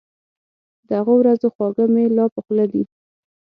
د هغو ورځو خواږه مي لا په خوله دي